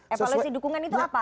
evaluasi dukungan itu apa